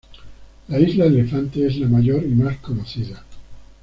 La isla Elefante es la mayor y más conocida.